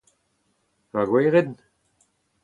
Ma gwerenn ?